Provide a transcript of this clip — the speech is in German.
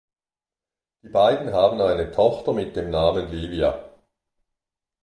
Die beiden haben eine Tochter mit dem Namen Livia.